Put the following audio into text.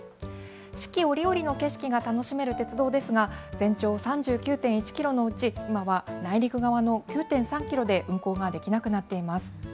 四季折々の景色が楽しめる鉄道ですが、全長３９．１キロのうち、今は内陸側の９．３キロで運行ができなくなっています。